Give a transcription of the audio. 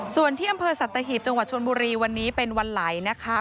ส่วนที่อำเภอสัตหีบจังหวัดชนบุรีวันนี้เป็นวันไหลนะคะ